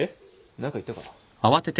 何か言ったか？